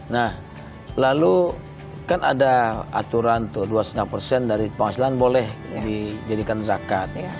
nah lalu kan ada aturan tuh dua lima persen dari penghasilan boleh dijadikan zakat